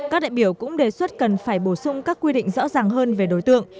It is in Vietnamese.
các đại biểu cũng đề xuất cần phải bổ sung các quy định rõ ràng hơn về đối tượng